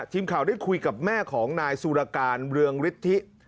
ทีมข่าวได้คุยกับแม่ของนายสุรการเรืองฤทธิ